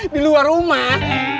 di luar rumah